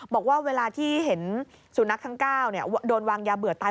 บอกว่าเวลาที่เห็นสุนัขทั้ง๙โดนวางยาเบื่อตาย